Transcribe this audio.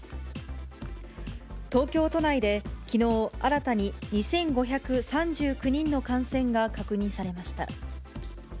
東京都内できのう新たに、２５３９人の感染が確認されました。